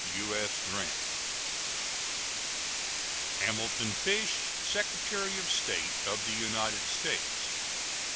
U.S. GRANT. HAMILTON FISH, SECRETARY OF STATE OF THE UNITED STATES.